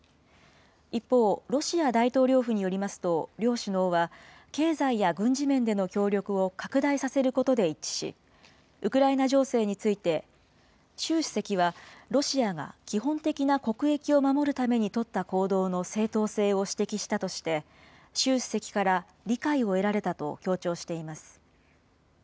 一方、ロシア大統領府によりますと、両首脳は、経済や軍事面での協力を拡大させることで一致し、ウクライナ情勢について、習主席は、ロシアが基本的な国益を守るために取った行動の正当性を指摘したとして、習主席から理解を得られたと強調しています。